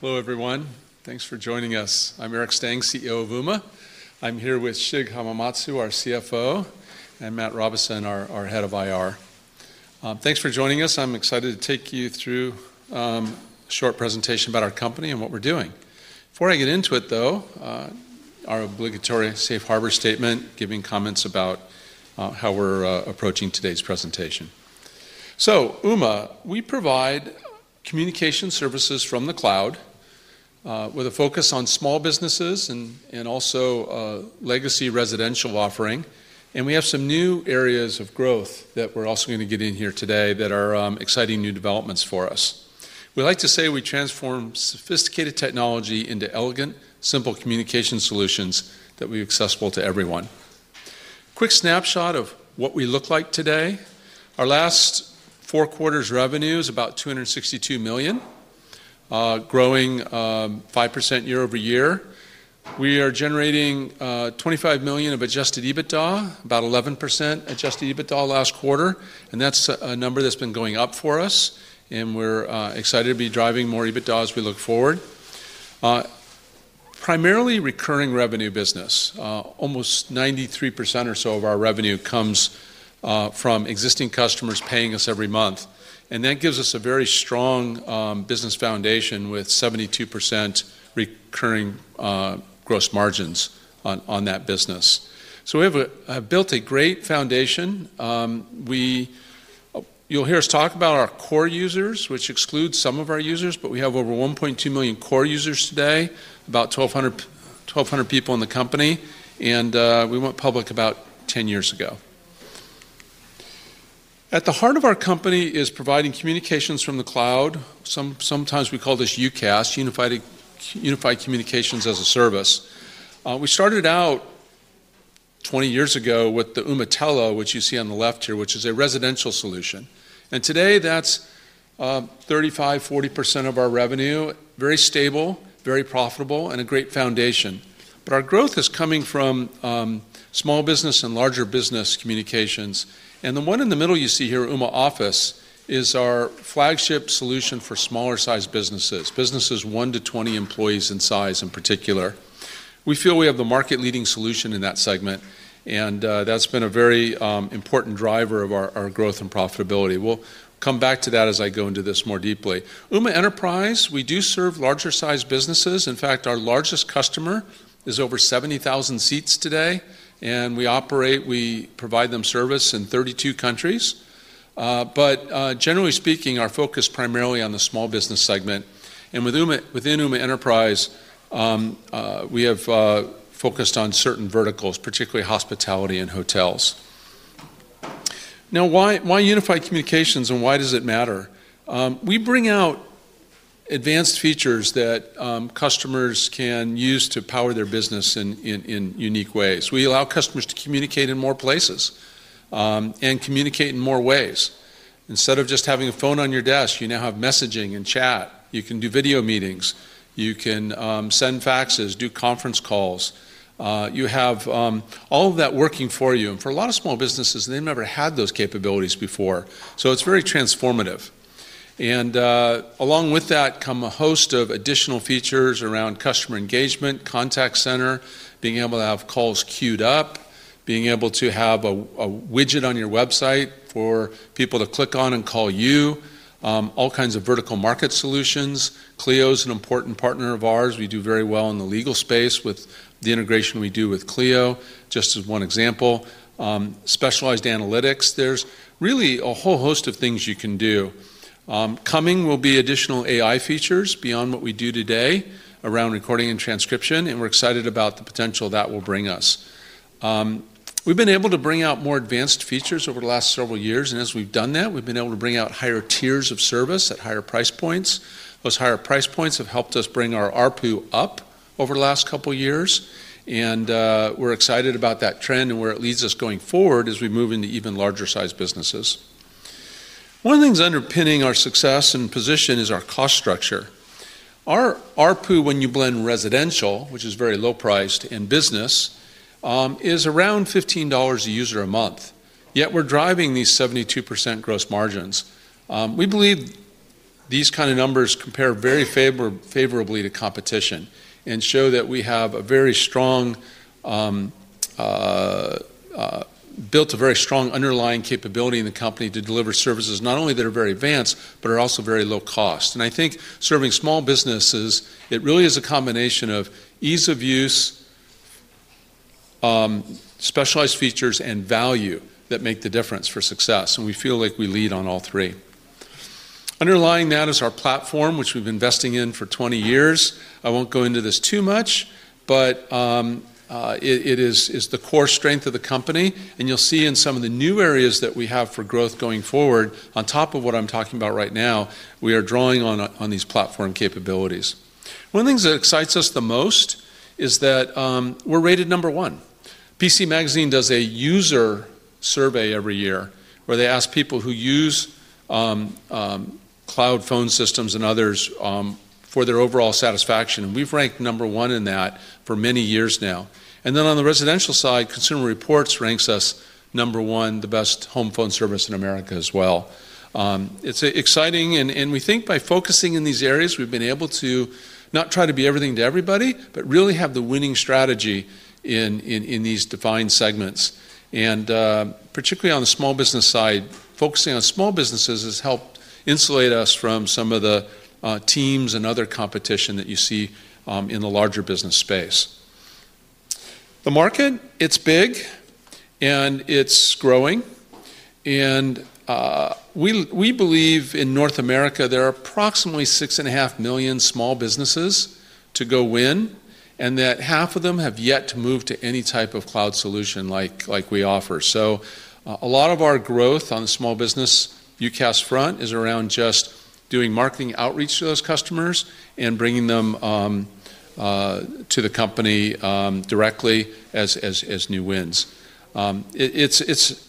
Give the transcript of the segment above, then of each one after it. Hello, everyone. Thanks for joining us. I'm Eric Stang, CEO of Ooma. I'm here with Shig Hamamatsu, our CFO, and Matt Robison, our head of IR. Thanks for joining us. I'm excited to take you through a short presentation about our company and what we're doing. Before I get into it, though, our obligatory safe harbor statement, giving comments about how we're approaching today's presentation. So Ooma, we provide communication services from the cloud with a focus on small businesses and also legacy residential offering. And we have some new areas of growth that we're also going to get in here today that are exciting new developments for us. We like to say we transform sophisticated technology into elegant, simple communication solutions that we're accessible to everyone. Quick snapshot of what we look like today: our last four quarters' revenue is about $262 million, growing 5% year over year. We are generating $25 million of adjusted EBITDA, about 11% adjusted EBITDA last quarter, and that's a number that's been going up for us, and we're excited to be driving more EBITDA as we look forward. Primarily recurring revenue business, almost 93% or so of our revenue comes from existing customers paying us every month, and that gives us a very strong business foundation with 72% recurring gross margins on that business, so we have built a great foundation. You'll hear us talk about our core users, which excludes some of our users, but we have over 1.2 million core users today, about 1,200 people in the company, and we went public about 10 years ago. At the heart of our company is providing communications from the cloud. Sometimes we call this UCaaS, Unified Communications as a Service. We started out 20 years ago with the Ooma Telo, which you see on the left here, which is a residential solution, and today, that's 35%-40% of our revenue, very stable, very profitable, and a great foundation, but our growth is coming from small business and larger business communications, and the one in the middle you see here, Ooma Office, is our flagship solution for smaller-sized businesses, businesses one to 20 employees in size in particular. We feel we have the market-leading solution in that segment, and that's been a very important driver of our growth and profitability. We'll come back to that as I go into this more deeply. Ooma Enterprise, we do serve larger-sized businesses. In fact, our largest customer is over 70,000 seats today, and we operate, we provide them service in 32 countries, but generally speaking, our focus is primarily on the small business segment. Within Ooma Enterprise, we have focused on certain verticals, particularly hospitality and hotels. Now, why Unified Communications and why does it matter? We bring out advanced features that customers can use to power their business in unique ways. We allow customers to communicate in more places and communicate in more ways. Instead of just having a phone on your desk, you now have messaging and chat. You can do video meetings. You can send faxes, do conference calls. You have all of that working for you. For a lot of small businesses, they've never had those capabilities before, so it's very transformative. Along with that come a host of additional features around customer engagement, contact center, being able to have calls queued up, being able to have a widget on your website for people to click on and call you, all kinds of vertical market solutions. Clio is an important partner of ours. We do very well in the legal space with the integration we do with Clio, just as one example. Specialized analytics, there's really a whole host of things you can do. Coming will be additional AI features beyond what we do today around recording and transcription. And we're excited about the potential that will bring us. We've been able to bring out more advanced features over the last several years. And as we've done that, we've been able to bring out higher tiers of service at higher price points. Those higher price points have helped us bring our ARPU up over the last couple of years. And we're excited about that trend and where it leads us going forward as we move into even larger-sized businesses. One of the things underpinning our success and position is our cost structure. Our ARPU, when you blend residential, which is very low-priced, and business, is around $15 a user a month. Yet we're driving these 72% gross margins. We believe these kind of numbers compare very favorably to competition and show that we have built a very strong underlying capability in the company to deliver services not only that are very advanced, but are also very low cost. And I think serving small businesses, it really is a combination of ease of use, specialized features, and value that make the difference for success. And we feel like we lead on all three. Underlying that is our platform, which we've been investing in for 20 years. I won't go into this too much, but it is the core strength of the company. You'll see in some of the new areas that we have for growth going forward, on top of what I'm talking about right now, we are drawing on these platform capabilities. One of the things that excites us the most is that we're rated number one. PC Magazine does a user survey every year where they ask people who use cloud phone systems and others for their overall satisfaction. We've ranked number one in that for many years now. Then on the residential side, Consumer Reports ranks us number one, the best home phone service in America as well. It's exciting. We think by focusing in these areas, we've been able to not try to be everything to everybody, but really have the winning strategy in these defined segments. Particularly on the small business side, focusing on small businesses has helped insulate us from some of the Teams and other competition that you see in the larger business space. The market, it's big and it's growing. We believe in North America, there are approximately 6.5 million small businesses to go win, and that half of them have yet to move to any type of cloud solution like we offer. A lot of our growth on the small business UCaaS front is around just doing marketing outreach to those customers and bringing them to the company directly as new wins. It's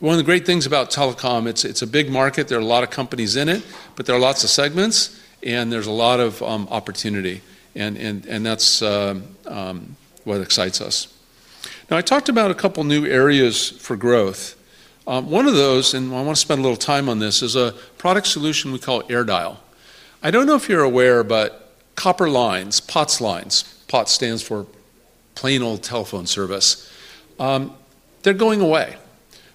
one of the great things about telecom. It's a big market. There are a lot of companies in it, but there are lots of segments, and there's a lot of opportunity. That's what excites us. Now, I talked about a couple of new areas for growth. One of those, and I want to spend a little time on this, is a product solution we call AirDial. I don't know if you're aware, but copper lines, POTS lines, POTS stands for Plain Old Telephone Service, they're going away.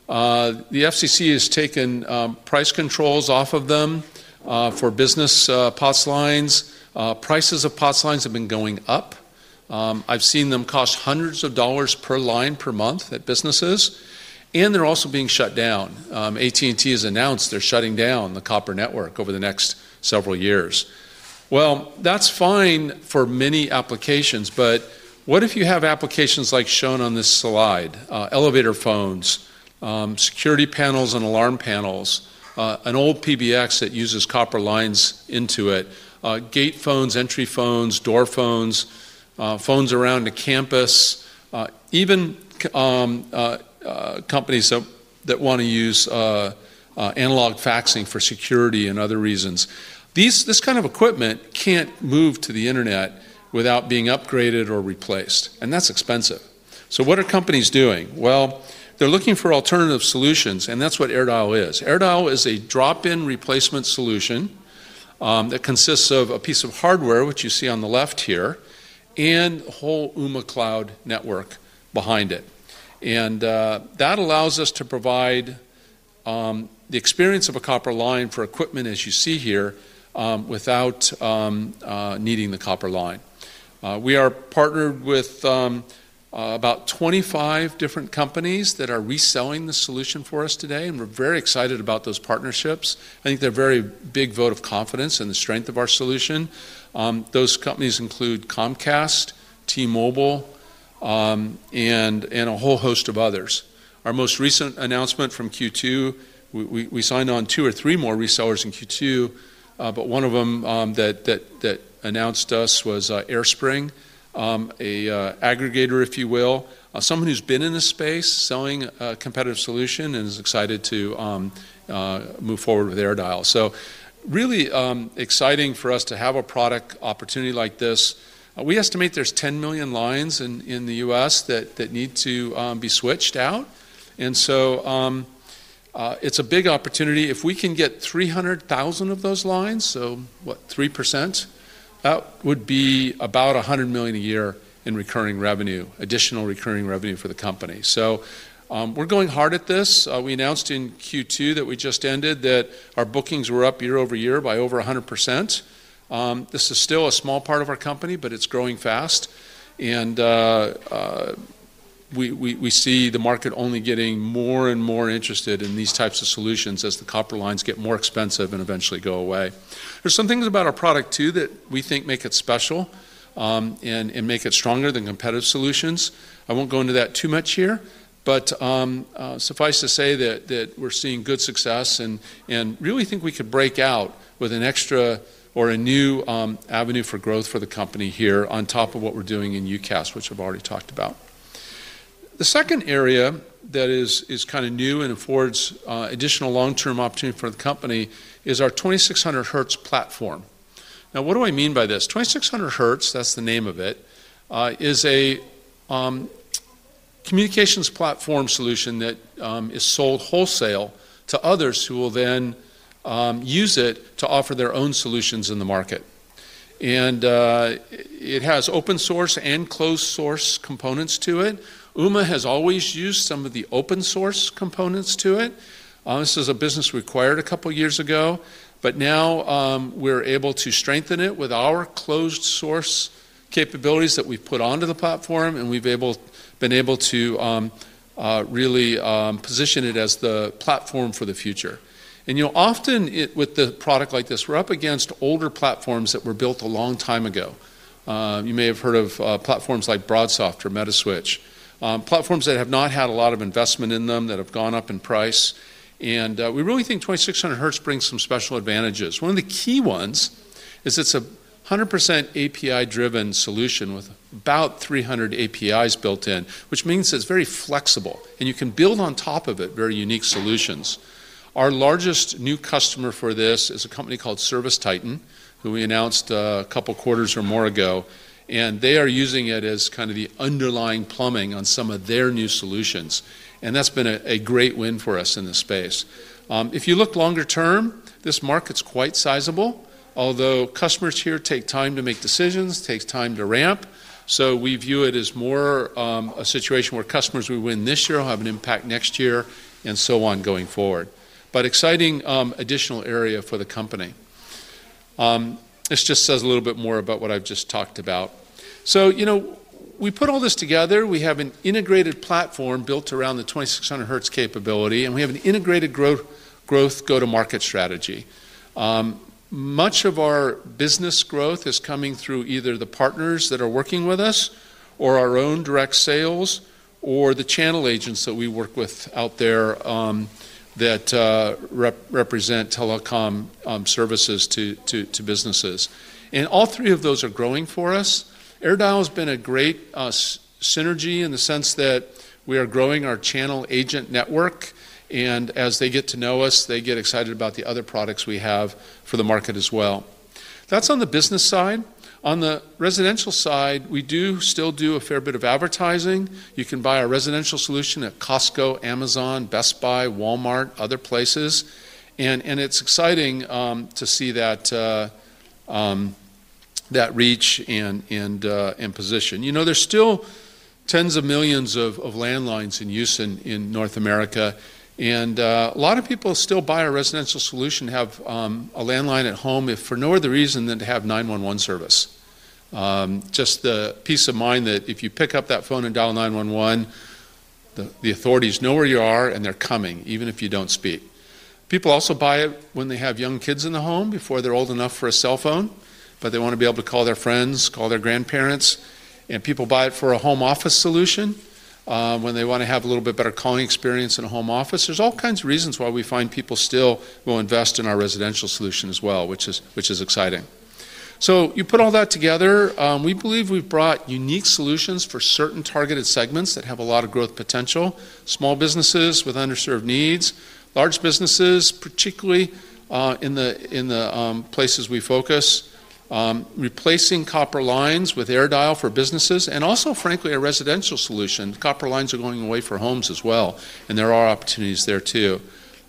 The FCC has taken price controls off of them for business POTS lines. Prices of POTS lines have been going up. I've seen them cost hundreds of dollars per line per month at businesses. And they're also being shut down. AT&T has announced they're shutting down the copper network over the next several years. Well, that's fine for many applications. But what if you have applications like shown on this slide: elevator phones, security panels and alarm panels, an old PBX that uses copper lines into it, gate phones, entry phones, door phones, phones around the campus, even companies that want to use analog faxing for security and other reasons. This kind of equipment can't move to the internet without being upgraded or replaced. And that's expensive. So what are companies doing? Well, they're looking for alternative solutions. And that's what AirDial is. AirDial is a drop-in replacement solution that consists of a piece of hardware, which you see on the left here, and the whole Ooma Cloud network behind it. And that allows us to provide the experience of a copper line for equipment, as you see here, without needing the copper line. We are partnered with about 25 different companies that are reselling the solution for us today. And we're very excited about those partnerships. I think they're a very big vote of confidence in the strength of our solution. Those companies include Comcast, T-Mobile, and a whole host of others. Our most recent announcement from Q2, we signed on two or three more resellers in Q2, but one of them that announced us was AireSpring, an aggregator, if you will, someone who's been in the space selling a competitive solution and is excited to move forward with AirDial. So really exciting for us to have a product opportunity like this. We estimate there's 10 million lines in the U.S. that need to be switched out. And so it's a big opportunity. If we can get 300,000 of those lines, so what, 3%, that would be about $100 million a year in recurring revenue, additional recurring revenue for the company. So we're going hard at this. We announced in Q2 that we just ended that our bookings were up year-over-year by over 100%. This is still a small part of our company, but it's growing fast, and we see the market only getting more and more interested in these types of solutions as the copper lines get more expensive and eventually go away. There's some things about our product too that we think make it special and make it stronger than competitive solutions. I won't go into that too much here, but suffice to say that we're seeing good success and really think we could break out with an extra or a new avenue for growth for the company here on top of what we're doing in UCaaS, which I've already talked about. The second area that is kind of new and affords additional long-term opportunity for the company is our 2600Hz platform. Now, what do I mean by this? 2600Hz, that's the name of it, is a communications platform solution that is sold wholesale to others who will then use it to offer their own solutions in the market. And it has open source and closed source components to it. Ooma has always used some of the open source components to it. This is a business we acquired a couple of years ago. But now we're able to strengthen it with our closed source capabilities that we've put onto the platform. And we've been able to really position it as the platform for the future. And you'll often, with a product like this, we're up against older platforms that were built a long time ago. You may have heard of platforms like BroadSoft or Metaswitch, platforms that have not had a lot of investment in them that have gone up in price. And we really think 2600Hz brings some special advantages. One of the key ones is it's a 100% API-driven solution with about 300 APIs built in, which means it's very flexible. And you can build on top of it very unique solutions. Our largest new customer for this is a company called ServiceTitan, who we announced a couple of quarters or more ago. And they are using it as kind of the underlying plumbing on some of their new solutions. And that's been a great win for us in this space. If you look longer term, this market's quite sizable, although customers here take time to make decisions, take time to ramp. So we view it as more a situation where customers who win this year will have an impact next year and so on going forward. But exciting additional area for the company. This just says a little bit more about what I've just talked about. So we put all this together. We have an integrated platform built around the 2600Hz capability. And we have an integrated growth go-to-market strategy. Much of our business growth is coming through either the partners that are working with us or our own direct sales or the channel agents that we work with out there that represent telecom services to businesses. And all three of those are growing for us. AirDial has been a great synergy in the sense that we are growing our channel agent network. And as they get to know us, they get excited about the other products we have for the market as well. That's on the business side. On the residential side, we do still do a fair bit of advertising. You can buy our residential solution at Costco, Amazon, Best Buy, Walmart, other places. And it's exciting to see that reach and position. There's still tens of millions of landlines in use in North America. And a lot of people still buy our residential solution, have a landline at home for no other reason than to have 911 service. Just the peace of mind that if you pick up that phone and dial 911, the authorities know where you are and they're coming, even if you don't speak. People also buy it when they have young kids in the home before they're old enough for a cell phone, but they want to be able to call their friends, call their grandparents, and people buy it for a home office solution when they want to have a little bit better calling experience in a home office. There's all kinds of reasons why we find people still will invest in our residential solution as well, which is exciting, so you put all that together, we believe we've brought unique solutions for certain targeted segments that have a lot of growth potential, small businesses with underserved needs, large businesses, particularly in the places we focus, replacing copper lines with AirDial for businesses, and also, frankly, a residential solution. Copper lines are going away for homes as well. There are opportunities there too,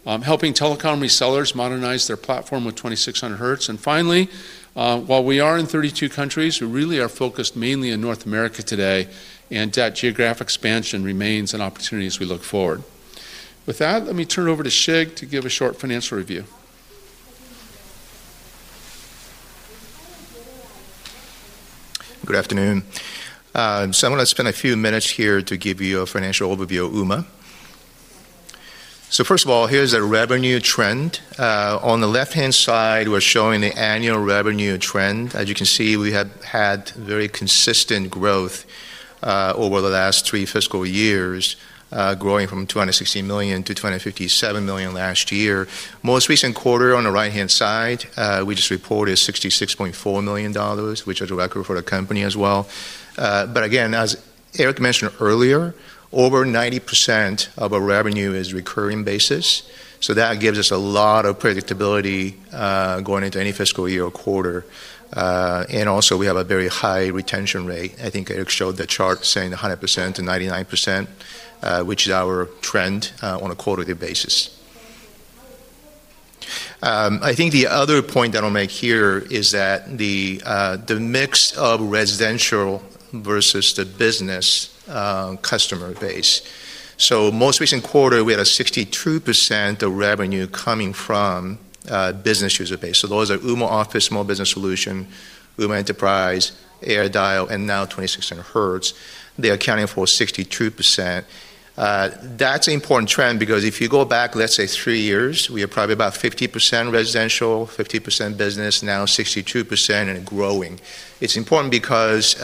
helping telecom resellers modernize their platform with 2600Hz. Finally, while we are in 32 countries, we really are focused mainly in North America today. That geographic expansion remains an opportunity as we look forward. With that, let me turn it over to Shig to give a short financial review. Good afternoon. I'm going to spend a few minutes here to give you a financial overview of Ooma. First of all, here's the revenue trend. On the left-hand side, we're showing the annual revenue trend. As you can see, we have had very consistent growth over the last three fiscal years, growing from $260 million to $257 million last year. Most recent quarter on the right-hand side, we just reported $66.4 million, which is a record for the company as well. Again, as Eric mentioned earlier, over 90% of our revenue is recurring basis. That gives us a lot of predictability going into any fiscal year or quarter. Also, we have a very high retention rate. I think Eric showed the chart saying 100%-99%, which is our trend on a quarterly basis. I think the other point that I'll make here is that the mix of residential versus the business customer base. So, most recent quarter, we had 62% of revenue coming from business user base. So those are Ooma Office, small business solution, Ooma Enterprise, AirDial, and now 2600Hz. They are accounting for 62%. That's an important trend because if you go back, let's say three years, we are probably about 50% residential, 50% business, now 62% and growing. It's important because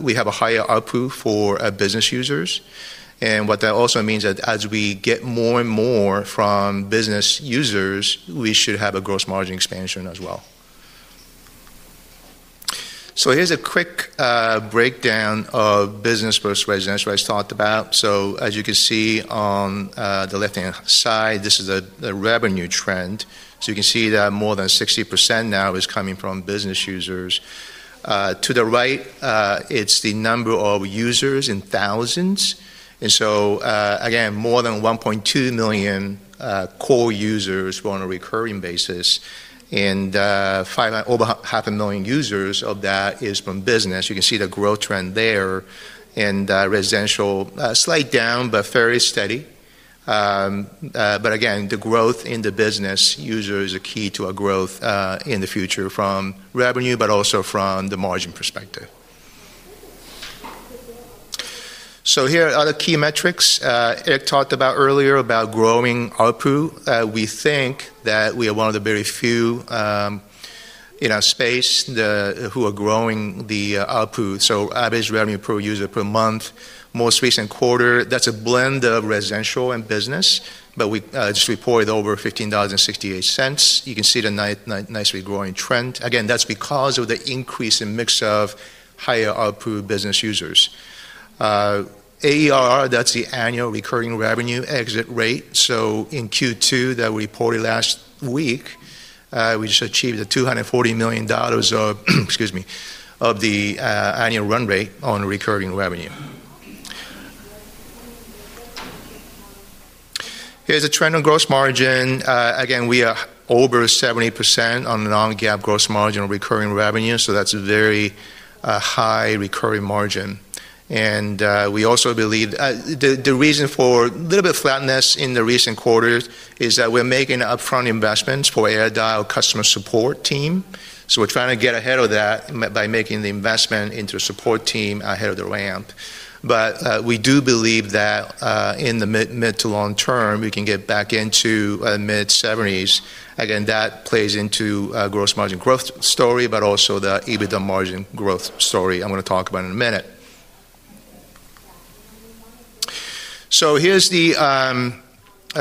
we have a higher ARPU for business users. And what that also means is that as we get more and more from business users, we should have a gross margin expansion as well. So here's a quick breakdown of business versus residential I just talked about. So as you can see on the left-hand side, this is the revenue trend. So you can see that more than 60% now is coming from business users. To the right, it's the number of users in thousands. And so again, more than 1.2 million core users on a recurring basis. And over 500,000 users of that is from business. You can see the growth trend there in residential, slight down, but very steady. But again, the growth in the business user is a key to our growth in the future from revenue, but also from the margin perspective. So here are other key metrics Eric talked about earlier about growing ARPU. We think that we are one of the very few in our space who are growing the ARPU. So average revenue per user per month, most recent quarter, that's a blend of residential and business, but we just reported over $15.68. You can see the nicely growing trend. Again, that's because of the increase in mix of higher ARPU business users. AERR, that's the annual recurring revenue exit rate. So in Q2 that we reported last week, we just achieved $240 million of, excuse me, of the annual run rate on recurring revenue. Here's a trend on gross margin. Again, we are over 70% on a non-GAAP gross margin on recurring revenue. So that's a very high recurring margin. And we also believe the reason for a little bit of flatness in the recent quarter is that we're making upfront investments for AirDial customer support team. So we're trying to get ahead of that by making the investment into a support team ahead of the ramp. But we do believe that in the mid to long term, we can get back into mid-70s. Again, that plays into gross margin growth story, but also the EBITDA margin growth story I'm going to talk about in a minute. So here's the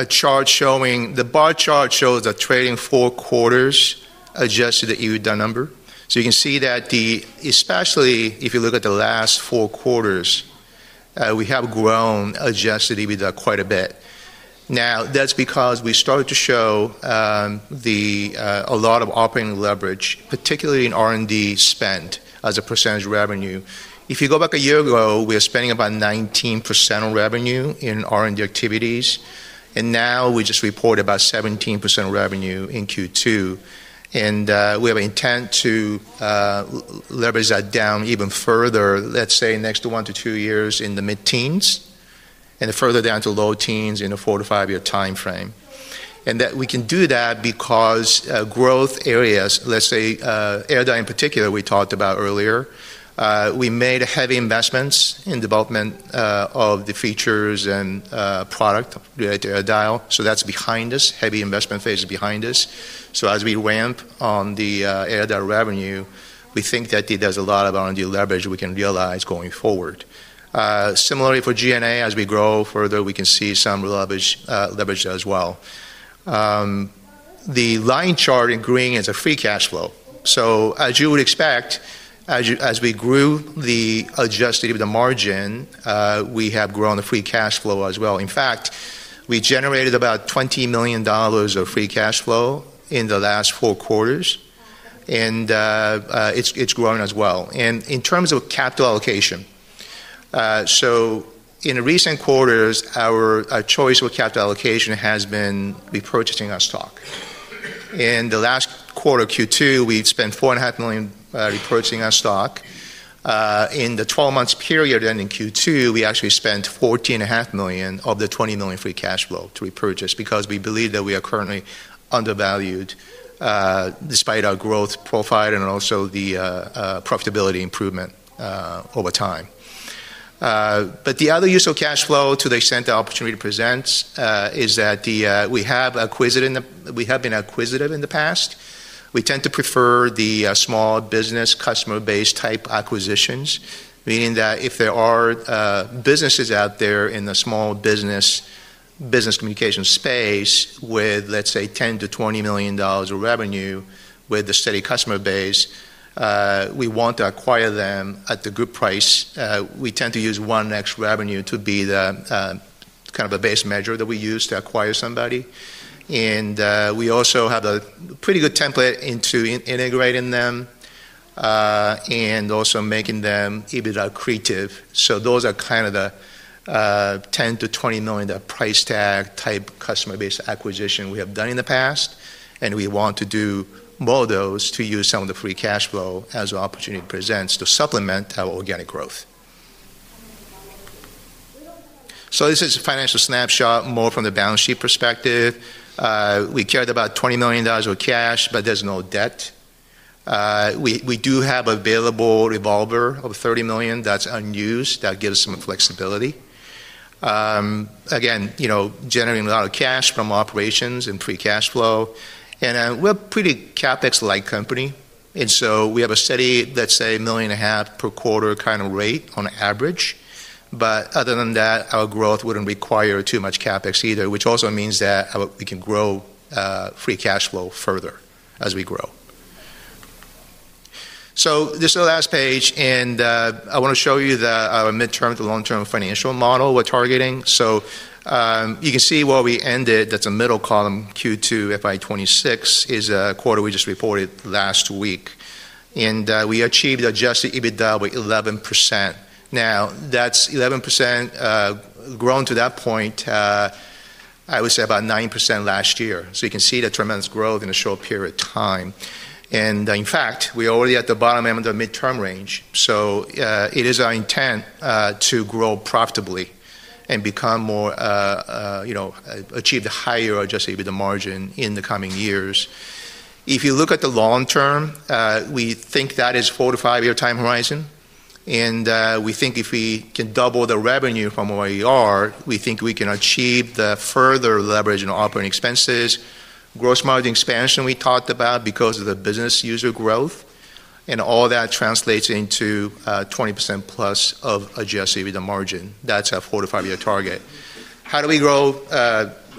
chart showing the trailing four quarters adjusted EBITDA number. So you can see that especially if you look at the last four quarters, we have grown adjusted EBITDA quite a bit. Now, that's because we started to show a lot of operating leverage, particularly in R&D spend as a percentage of revenue. If you go back a year ago, we were spending about 19% of revenue in R&D activities. And now we just reported about 17% of revenue in Q2. And we have an intent to leverage that down even further, let's say next one to two years in the mid-teens and further down to low teens in a four to five-year time frame. We can do that because growth areas, let's say AirDial in particular, we talked about earlier, we made heavy investments in development of the features and product related to AirDial. That's behind us, heavy investment phase is behind us. As we ramp on the AirDial revenue, we think that there's a lot of R&D leverage we can realize going forward. Similarly, for G&A, as we grow further, we can see some leverage as well. The line chart in green is a free cash flow. As you would expect, as we grew the adjusted EBITDA margin, we have grown the free cash flow as well. In fact, we generated about $20 million of free cash flow in the last four quarters. It's growing as well. In terms of capital allocation, so in the recent quarters, our choice for capital allocation has been repurchasing our stock. In the last quarter, Q2, we spent $4.5 million repurchasing our stock. In the 12-month period ending Q2, we actually spent $14.5 million of the $20 million free cash flow to repurchase because we believe that we are currently undervalued despite our growth profile and also the profitability improvement over time. But the other use of cash flow to the extent the opportunity presents is that we have been acquisitive in the past. We tend to prefer the small business customer-based type acquisitions, meaning that if there are businesses out there in the small business communication space with, let's say, $10 million-$20 million of revenue with a steady customer base, we want to acquire them at the good price. We tend to use 1x revenue to be kind of a base measure that we use to acquire somebody. We also have a pretty good template into integrating them and also making them EBITDA accretive. Those are kind of the $10 million-$20 million price tag type customer-based acquisition we have done in the past. We want to do more of those to use some of the free cash flow as an opportunity presents to supplement our organic growth. This is a financial snapshot more from the balance sheet perspective. We carried about $20 million of cash, but there's no debt. We do have available revolver of $30 million. That's unused. That gives us some flexibility. Again, generating a lot of cash from operations and free cash flow. We're a pretty CapEx-like company. We have a steady, let's say, 1.5 million per quarter kind of rate on average. But other than that, our growth wouldn't require too much CapEx either, which also means that we can grow free cash flow further as we grow. So this is the last page. And I want to show you the mid-term to long-term financial model we're targeting. So you can see where we ended. That's the middle column, Q2 FY26 is a quarter we just reported last week. And we achieved adjusted EBITDA of 11%. Now, that's 11% margin to that point, I would say about 9% last year. So you can see the tremendous growth in a short period of time. And in fact, we're already at the bottom end of the mid-term range. So it is our intent to grow profitably and achieve the higher adjusted EBITDA margin in the coming years. If you look at the long term, we think that is a four-to-five-year time horizon. We think if we can double the revenue from where we are, we think we can achieve the further leverage in operating expenses, gross margin expansion we talked about because of the business user growth. All that translates into 20% plus of adjusted EBITDA margin. That's our four-to-five-year target. How do we grow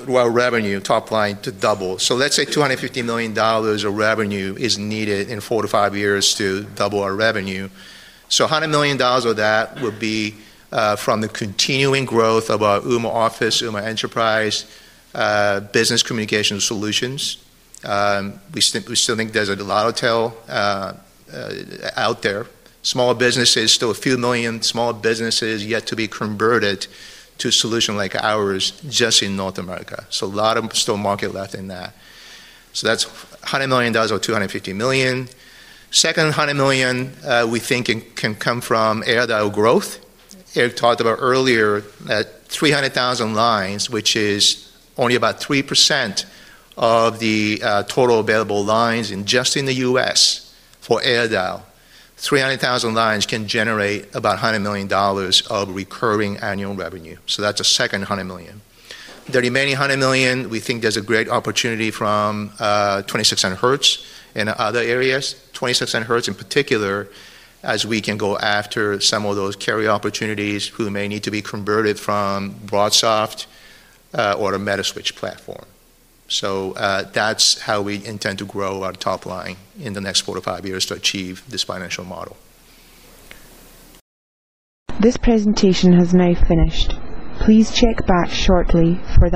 our revenue top line to double? Let's say $250 million of revenue is needed in four-to-five years to double our revenue. $100 million of that would be from the continuing growth of our Ooma Office, Ooma Enterprise, business communication solutions. We still think there's a lot of tail out there. Small businesses, still a few million small businesses yet to be converted to a solution like ours just in North America. So a lot of market still left in that. So that's $100 million or $250 million. Second, $100 million we think can come from AirDial growth. Eric talked about earlier at 300,000 lines, which is only about 3% of the total available lines in just the U.S. for AirDial. 300,000 lines can generate about $100 million of recurring annual revenue. So that's a second $100 million. The remaining $100 million, we think there's a great opportunity from 2600Hz and other areas. 2600Hz in particular, as we can go after some of those carrier opportunities who may need to be converted from BroadSoft or a Metaswitch platform. So that's how we intend to grow our top line in the next four to five years to achieve this financial model. This presentation has now finished. Please check back shortly for the.